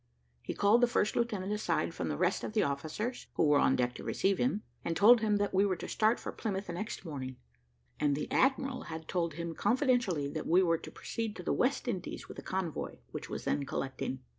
He called the first lieutenant aside from the rest of the officers, who were on deck to receive him, and told him that we were to start for Plymouth the next morning; and the admiral had told him confidentially, that we were to proceed to the West Indies with a convoy, which was then collecting.